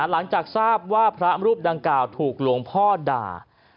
หลังจากทราบว่าพระรูปดังกล่าวถูกหลวงพ่อด่า